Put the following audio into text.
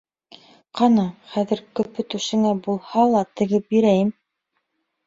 Ҡана, хәҙер көпө түшеңә булһа ла тегеп бирәйем.